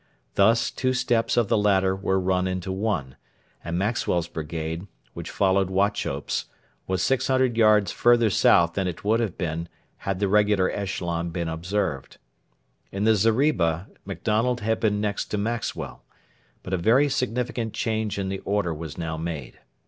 Thus two steps of the ladder were run into one, and Maxwell's brigade, which followed Wauchope's, was 600 yards further south than it would have been had the regular echelon been observed. In the zeriba MacDonald had been next to Maxwell. But a very significant change in the order was now made.